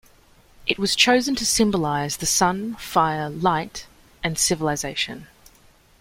It was chosen to symbolize the sun, fire, light, and civilization.